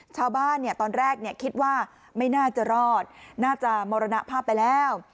ชาวบ้านตอนแรกคิดว่าไม่น่าจะรอดน่าจะมรณภาพไปแล้ว